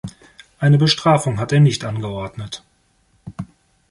Eine Bestrafung hat er nicht angeordnet.